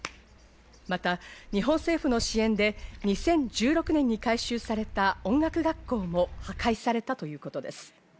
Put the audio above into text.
また日本政府の支援で２０１６年に改修された音楽学校も破壊されたということです。